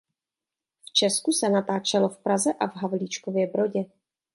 V Česku se natáčelo v Praze a v Havlíčkově Brodě.